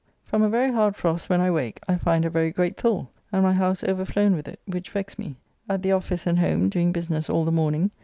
From a very hard frost, when I wake, I find a very great thaw, and my house overflown with it, which vexed me. At the office and home, doing business all the morning.